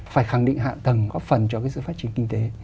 phải khẳng định hạ tầng góp phần cho cái sự phát triển kinh tế